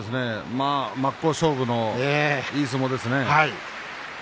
真っ向勝負のいい相撲ですね。